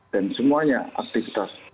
dan semuanya aktivitas